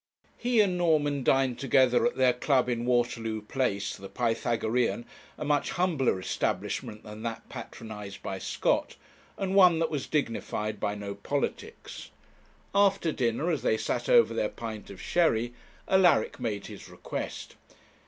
He and Norman dined together at their club in Waterloo Place, the Pythagorean, a much humbler establishment than that patronized by Scott, and one that was dignified by no politics. After dinner, as they sat over their pint of sherry, Alaric made his request.